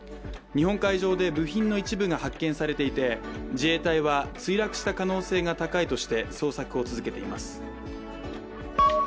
日本海上で部品の一部が発見されていて、自衛隊は墜落した可能性が高いとして捜索を続けています。